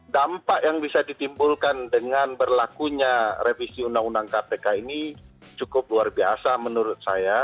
dampak yang bisa ditimbulkan dengan berlakunya revisi undang undang kpk ini cukup luar biasa menurut saya